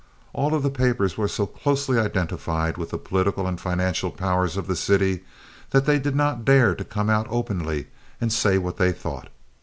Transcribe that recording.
All of the papers were so closely identified with the political and financial powers of the city that they did not dare to come out openly and say what they thought.